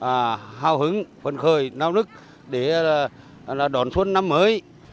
phấn khởi hào hứng phấn khởi năng lực để đón xuân năm mới